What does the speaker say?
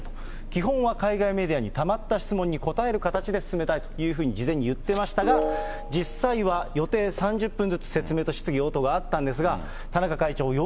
基本は海外メディアにたまった質問に答える形で進めたいというふうに事前に言ってましたが、実際は予定３０分ずつ、説明と質疑応答があったんですが、田中会長、４０分